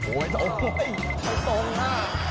โอ้โหไม่ตรงค่ะ